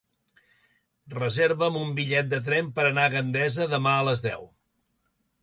Reserva'm un bitllet de tren per anar a Gandesa demà a les deu.